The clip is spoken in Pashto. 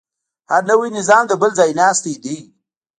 هر نوی نظام د بل ځایناستی دی.